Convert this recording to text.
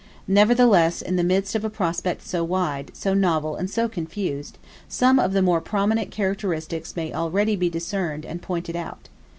Nevertheless, in the midst of a prospect so wide, so novel and so confused, some of the more prominent characteristics may already be discerned and pointed out.